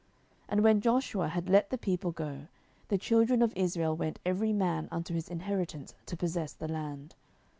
07:002:006 And when Joshua had let the people go, the children of Israel went every man unto his inheritance to possess the land.